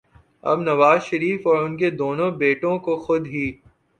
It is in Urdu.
اب نواز شریف اور ان کے دونوں بیٹوں کو خود ہی